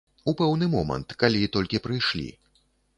У пэўны момант, калі толькі прыйшлі.